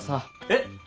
えっ！